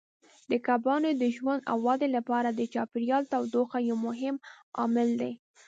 د کبانو د ژوند او ودې لپاره د چاپیریال تودوخه یو مهم عامل دی.